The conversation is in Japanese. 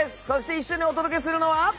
そして一緒にお届けするのは。